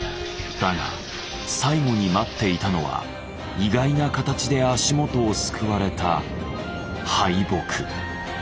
だが最後に待っていたのは意外な形で足元をすくわれた「敗北」。